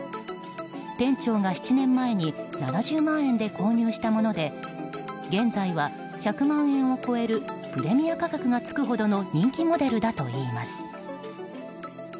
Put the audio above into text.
店長は７年前に７０万円で購入したもので現在は１００万円を超えるプレミア価格がつくほどの人気モデルだといいます。